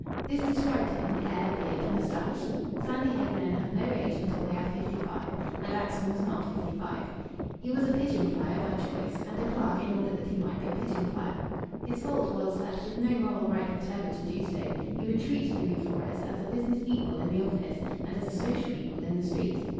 This described him hair, beard, moustache. Sandy haired men have no age until they are fifty five, and Axon was not fifty five. He was a pigeon flyer by choice, and a clerk in order that he might be a pigeon flyer. His fault was that, with no moral right whatever to do so, he would treat Louis Fores as a business equal in the office and as a social equal in the street.